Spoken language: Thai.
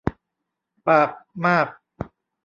ปากมาก